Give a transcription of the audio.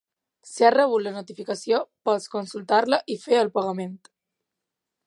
Si has rebut la notificació, pots consultar-la i fer el pagament.